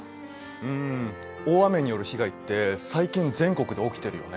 うん大雨による被害って最近全国で起きてるよね。